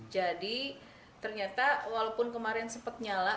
jadi ternyata walaupun kemarin sempet nyala